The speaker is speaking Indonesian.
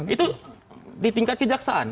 itu di tingkat kejaksaan